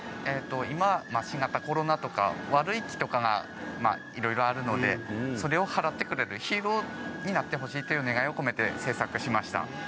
今、新型コロナとか悪い気とかが、いろいろあるのでそれを払ってくれるヒーローになってほしいという願いを込めて製作しました。